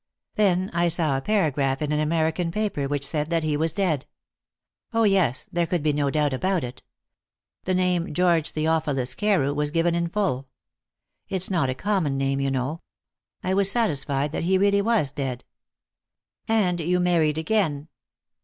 "Then I saw a paragraph in an American paper which said that he was dead. Oh yes! there could be no doubt about it. The name George Theophilus Carew was given in full. It's not a common name, you know. I was satisfied that he was really dead." "And you married again?"